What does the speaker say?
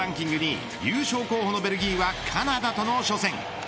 ２位優勝候補のベルギーはカナダとの初戦。